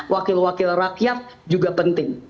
wakil wakil rakyat juga penting